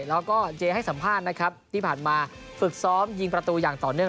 แล้วก็เจให้สัมภาษณ์นะครับที่ผ่านมาฝึกซ้อมยิงประตูอย่างต่อเนื่อง